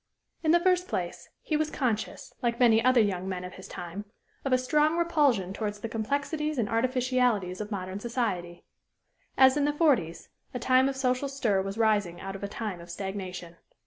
In the first place, he was conscious, like many other young men of his time, of a strong repulsion towards the complexities and artificialities of modern society. As in the forties, a time of social stir was rising out of a time of stagnation.